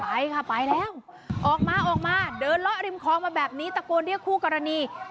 ไปค่ะไปแล้วออกมาเดินล้ออริมคอมาแบบนี้ตะโกนเรียกคู่กรณี